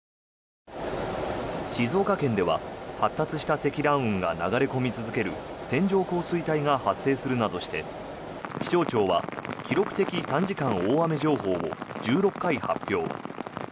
静岡県では発達した積乱雲が流れ込み続ける線状降水帯が発生するなどして気象庁は記録的短時間大雨情報を１６回発表。